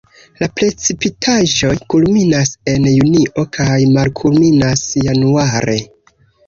La precipitaĵoj kulminas en junio kaj malkulminas januare.